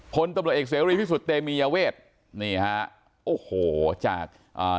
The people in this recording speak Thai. พลตำรวจเอกเสรีพิสุทธิ์เตมียเวทนี่ฮะโอ้โหจากอ่า